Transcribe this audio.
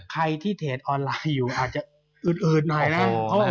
ใครที่เทจออนไลน์อยู่อาจจะอืดหน่อยนะ